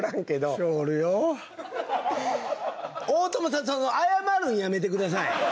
その謝るんやめてください